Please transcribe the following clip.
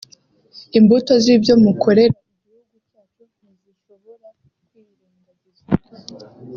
imbuto z’ibyo mukorera igihugu cyacu ntizishobora kwirengagizwa